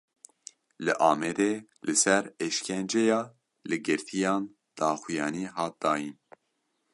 Li Amedê li ser êşkenceya li girtiyan daxuyanî hat dayîn.